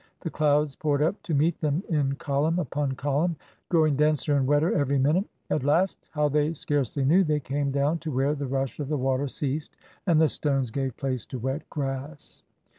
The clouds poured up to meet them in column upon column, growing denser and wetter every minute. At last, how they scarcely knew, they came down to where the rush of the water ceased and the stones gave place to wet grass.